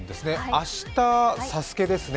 明日、「ＳＡＳＵＫＥ」ですね。